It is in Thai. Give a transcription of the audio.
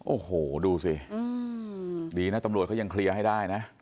โอ้โหดูสิดีนะตำรวจเขายังเคลียร์ให้ได้นะ